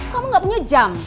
kamu gak punya jam